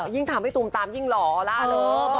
ยิ่งทำให้ตูมตามยิ่งหล่อล่าเริม